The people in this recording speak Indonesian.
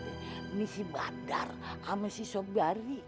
ini si badar sama si sobari